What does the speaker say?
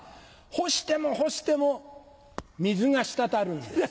干しても干しても水が滴るんです。